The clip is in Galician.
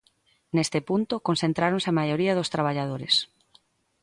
Neste punto concentráronse a maioría dos traballadores.